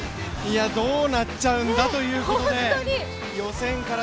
どうなっちゃうんだということで、予選から。